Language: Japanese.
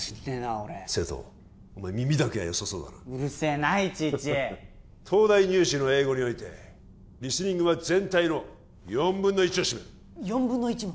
俺瀬戸お前耳だけはよさそうだなうるせえないちいち東大入試の英語においてリスニングは全体の４分の１を占める４分の１も？